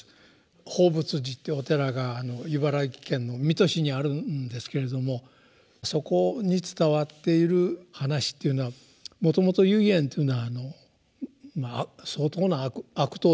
報佛寺っていうお寺が茨城県の水戸市にあるんですけれどもそこに伝わっている話っていうのはもともと唯円というのは相当な悪党だったそうです。